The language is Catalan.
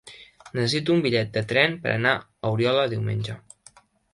Necessito un bitllet de tren per anar a Oriola diumenge.